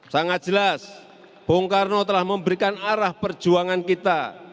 sangat jelas bung karno telah memberikan arah perjuangan kita